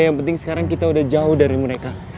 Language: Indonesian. yang penting sekarang kita udah jauh dari mereka